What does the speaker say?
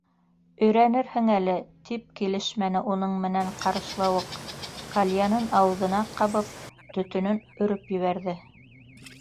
—Өйрәнерһең әле, —тип килешмәне уның менән Ҡарышлауыҡ; кальянын ауыҙына ҡабып, төтөнөн өрөп ебәрҙе.